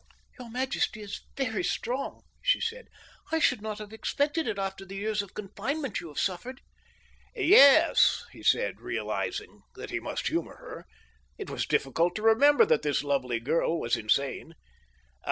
"Your majesty is very strong," she said. "I should not have expected it after the years of confinement you have suffered." "Yes," he said, realizing that he must humor her—it was difficult to remember that this lovely girl was insane.